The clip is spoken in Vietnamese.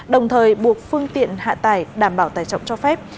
đồng thời buộc phương tiện hạ tải đảm bảo tài trọng cho phép